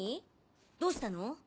どうしたの？